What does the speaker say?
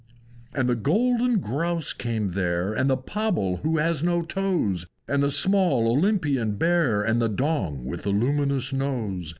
V. And the Golden Grouse came there, And the Pobble who has no toes, And the small Olympian bear, And the Dong with a luminous nose.